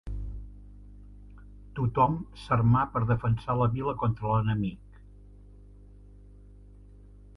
Tothom s'armà per defensar la vila contra l'enemic.